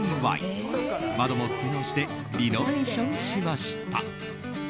窓もつけ直してリノベーションしました。